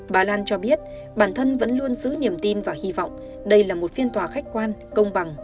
bà lan cho biết bản thân vẫn luôn giữ niềm tin và hy vọng đây là một phiên tòa khách quan công bằng